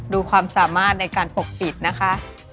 ดูความสามารถในการปกปิดนะคะ